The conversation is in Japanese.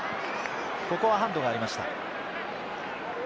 ここはハンドがありました。